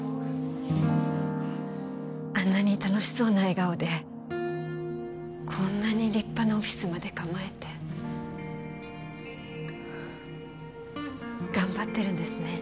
あんなに楽しそうな笑顔でこんなに立派なオフィスまで構えて頑張ってるんですね